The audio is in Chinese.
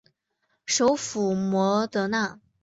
首府摩德纳。